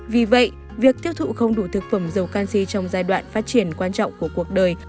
vì vậy việc tiêu thụ không đủ thực phẩm dầu canxi trong giai đoạn phát triển quan trọng của cuộc đời